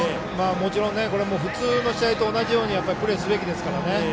もちろんこれも普通の試合と同じようにプレーすべきですからね。